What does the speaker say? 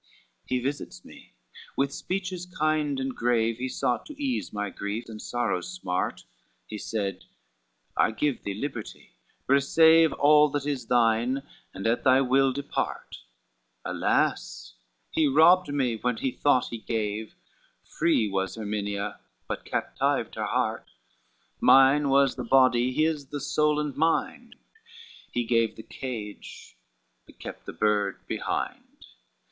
XCV "He visits me, with speeches kind and grave He sought to ease my grief, and sorrows' smart. He said, 'I give thee liberty, receive All that is thine, and at thy will depart:' Alas, he robbed me when he thought he gave, Free was Erminia, but captived her heart, Mine was the body, his the soul and mind, He gave the cage but kept the bird behind.